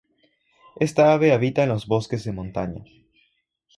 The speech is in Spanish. Esta ave habita en los bosques de montaña.